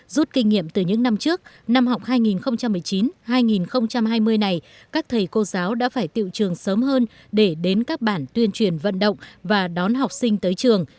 rút kinh nghiệm từ những năm trước năm học hai nghìn một mươi chín hai nghìn hai mươi này các thầy cô giáo đã phải tiệu trường sớm hơn để đến các bản tuyên truyền vận động và đón học sinh tới trường